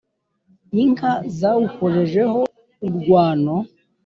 Inkaka zawukojejeho urwano